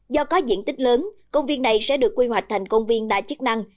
do có diện tích lớn công viên này sẽ được quy hoạch thành công viên đa chức năng